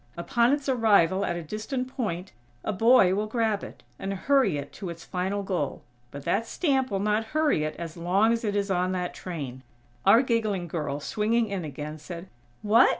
Upon its arrival at a distant point, a boy will grab it, and hurry it to its final goal. But that stamp will not hurry it as long as it is on that train." Our giggling girl, swinging in again, said: "What?